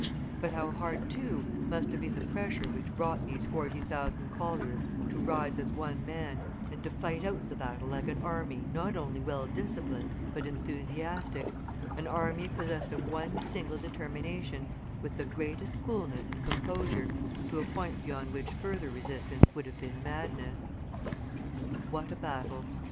But how hard, too, must have been the pressure which brought these forty thousand colliers to rise as one man and to fight out the battle like an army not only well disciplined but enthusiastic, an army possessed of one single determination, with the greatest coolness and composure, to a point beyond which further resistance would have been madness. And what a battle!